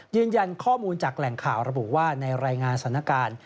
ยืนยันข้อมูลจากแหล่งข่าวระบุว่าในรายงานสถานการณ์